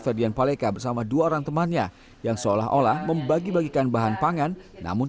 ferdian paleka bersama dua orang temannya yang seolah olah membagi bagikan bahan pangan namun